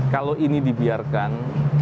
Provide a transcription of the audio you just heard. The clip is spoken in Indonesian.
kalau ini dibiarkan